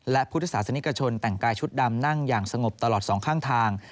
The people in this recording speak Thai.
และพุทธศาสนิกชนแต่งกายชุดดำนั่งอย่างสงบตลอดสองข้างทาง